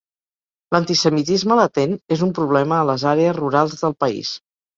L"antisemitisme latent és un problema a les àrees rurals del país.